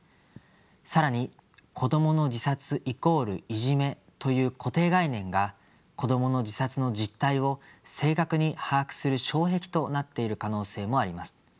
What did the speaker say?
更に「子どもの自殺＝いじめ」という固定概念が子どもの自殺の実態を正確に把握する障壁となっている可能性もあります。